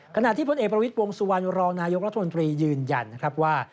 ขณะที่พลเอกประวิทย์วงสุวรรณรองนายกรัฐมนตรียืนยันนะครับว่า